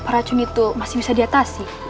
racun itu masih bisa diatasi